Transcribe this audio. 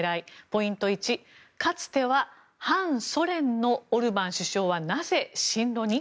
ポイント１かつては反ソ連のオルバン首相はなぜ親ロに？